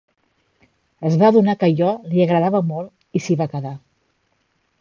Es va adonar que allò li agradava molt i s'hi va quedar.